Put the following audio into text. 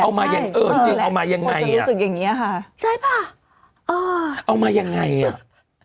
เอามาอย่างเอิ่มจริงเอามายังไงอ่ะใช่ป่ะเอามายังไงอ่ะ